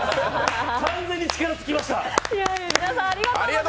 完全に力尽きました。